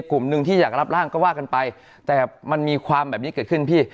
กลุ่มหนึ่งที่อยากรับร่างก็ว่ากันไปแต่มันมีความแบบนี้เกิดขึ้นพี่